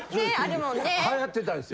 流行ってたんですよ。